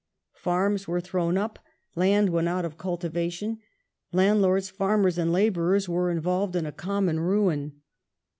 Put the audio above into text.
in the £;^ farms were thrown up ; land went out of cultivation ; landlords, farmers, and labourei*s were involved in a common ruin.